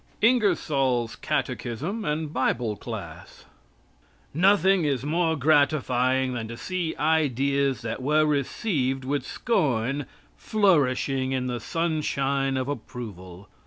INGERSOLL'S CATECHISM AND BIBLE CLASS Nothing is more gratifying than to see ideas that were received with scorn, flourishing in the sunshine of approval.